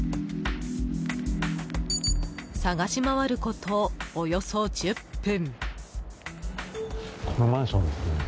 探し回ること、およそ１０分。